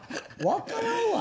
分からんわ。